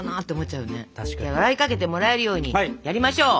じゃあ笑いかけてもらえるようにやりましょう。